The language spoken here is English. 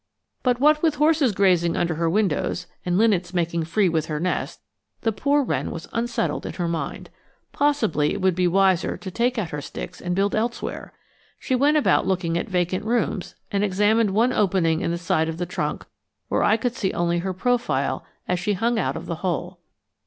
But what with horses grazing under her windows and linnets making free with her nest, the poor wren was unsettled in her mind. Possibly it would be wiser to take out her sticks and build elsewhere. She went about looking at vacant rooms and examined one opening in the side of the trunk where I could see only her profile as she hung out of the hole.